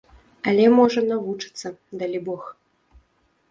Але можна навучыцца, далібог.